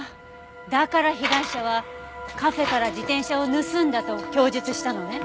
だから被害者はカフェから自転車を盗んだと供述したのね。